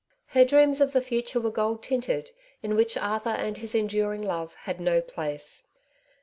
Her dreams of the future were gold tinted, in which Arthur and his enduring love had no place.